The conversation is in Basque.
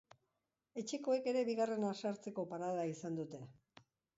Etxekoek ere bigarrena sartzeko parada izan dute.